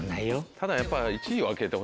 ただやっぱ。